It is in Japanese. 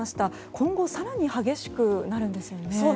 今後、更に激しくなるんですね。